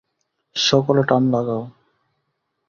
সকলে টান লাগাও।